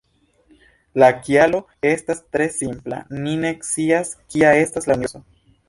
La kialo estas tre simpla: ni ne scias kia estas la universo".